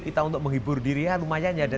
kita untuk menghibur diri lumayan ya ada